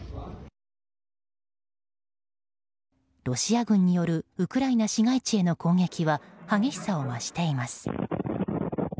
ロシア軍によるウクライナ市街地への攻撃は激しさを増しています。